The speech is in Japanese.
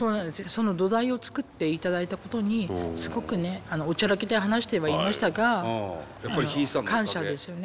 その土台を作っていただいたことにすごくねおちゃらけて話してはいましたが感謝ですよね。